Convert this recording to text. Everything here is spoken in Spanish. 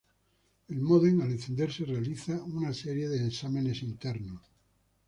El módem al encenderse realiza una serie de exámenes internos.